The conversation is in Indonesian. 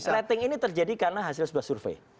rating ini terjadi karena hasil sebuah survei